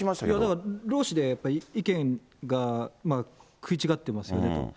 だから労使で意見が食い違ってますよね。